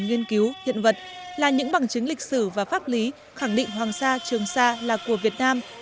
nghiên cứu hiện vật là những bằng chứng lịch sử và pháp lý khẳng định hoàng sa trường sa là của việt nam